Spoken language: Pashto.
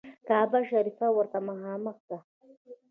کعبه شریفه ورته مخامخ ده.